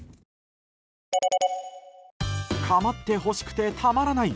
構ってほしくてたまらない